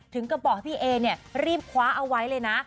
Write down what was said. ถึงก็บอกพี่เอเนี่ยรีบคว้าเอาไว้เลยนะ